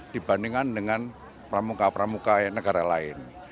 dibandingkan dengan pramuka pramuka negara lain